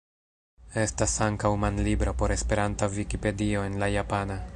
Estas ankaŭ manlibro por Esperanta Vikipedio en la japana.